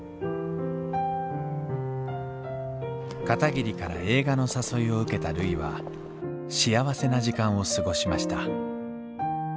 片桐から映画の誘いを受けたるいは幸せな時間を過ごしました